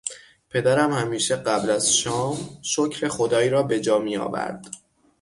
پدرم همیشه قبل از شام شکر خدای را به جا میآورد.